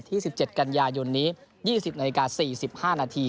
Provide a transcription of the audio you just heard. ที่๑๗กันยายุนนี้๒๐น๔๕น